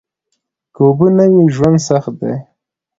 که اوبه نه وي ژوند سخت دي